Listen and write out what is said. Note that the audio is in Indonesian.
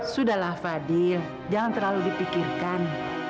sudahlah fadil jangan terlalu dipikirkan